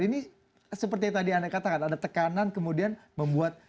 ini seperti yang tadi anda katakan ada tekanan kemudian membuat